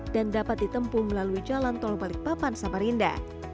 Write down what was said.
dan dapat ditempu melalui jalan tol balikpapan samarinda